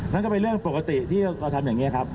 นั่นก็เป็นเรื่องปกติที่เราทำอย่างนี้ครับ